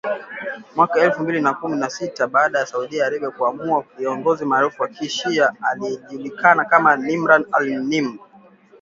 mwaka elfu mbili na kumi na sita , baada ya Saudi Arabia kumuua kiongozi maarufu wa kishia, aliyejulikana kama Nimr al-Nimr